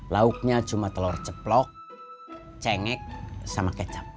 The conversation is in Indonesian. lauknya cuma telur ceplok cengek sama kecap